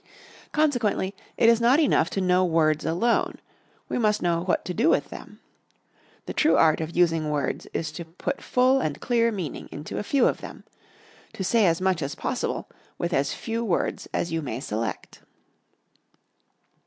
Consequently, it is not enough to know words alone, we must know what to do with them. The true art of using words is to put full and clear meaning into a few of them; to say as much as possible with as few words as you may select.